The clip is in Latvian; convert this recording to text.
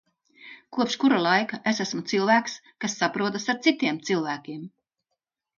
Kopš kura laika es esmu cilvēks, kas saprotas ar citiem cilvēkiem?